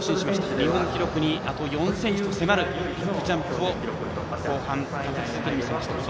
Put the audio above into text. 日本記録にあと４ｃｍと迫るジャンプを後半見せました。